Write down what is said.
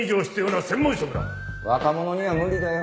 若者には無理だよ。